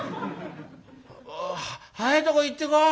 早えとこ行ってこい！